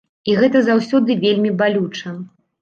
І гэта заўсёды вельмі балюча.